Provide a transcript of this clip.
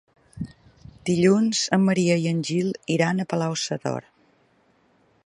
Dilluns en Maria i en Gil iran a Palau-sator.